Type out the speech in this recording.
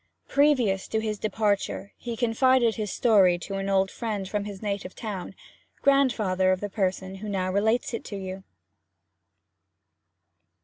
Previous to his departure he confided his story to an old friend from his native town grandfather of the person who now relates it to you.